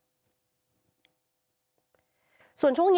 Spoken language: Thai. ไม่เคยได้มาพูดคุยถามอาการของลูกหนู